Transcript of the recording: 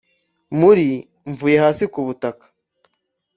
muri m vuye hasi kubutaka